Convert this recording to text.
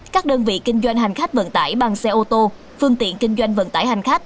các đơn vị kinh doanh hành khách vận tải bằng xe ô tô phương tiện kinh doanh vận tải hành khách